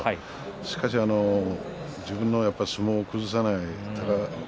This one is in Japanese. しかし自分の相撲を崩さない。